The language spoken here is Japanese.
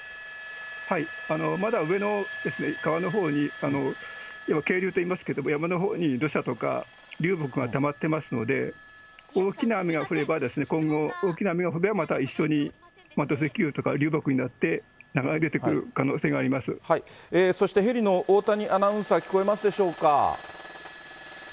まだ上の川のほうに、渓流といいますけれども、山のほうに土砂とか流木がたまってますので、大きな雨が降れば、今後、大きなものもまた一緒に土石流とか流木になって流れ出てくる可能そしてヘリの大谷アナウンサー、聞こえますでしょうか。